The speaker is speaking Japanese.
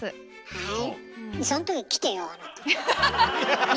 はい。